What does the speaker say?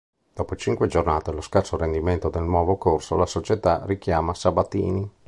Dopo cinque giornate e lo scarso rendimento del nuovo corso, la società richiama Sabatini.